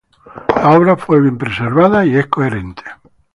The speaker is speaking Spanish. La obra fue bien preservada y es coherente.